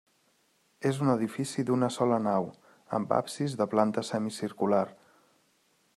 És un edifici d'una sola nau, amb absis de planta semicircular.